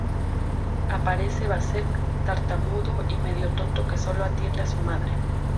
Aparece Vasek, tartamudo y medio tonto, que sólo atiende a su madre.